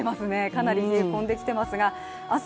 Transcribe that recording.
かなり冷え込んできてますが明日